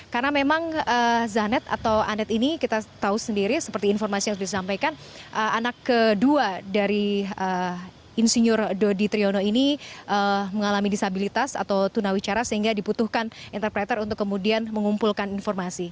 karena memang zanet atau anet ini kita tahu sendiri seperti informasi yang bisa disampaikan anak kedua dari insinyur dodi triyono ini mengalami disabilitas atau tunawicara sehingga diputuhkan interpreter untuk kemudian mengumpulkan informasi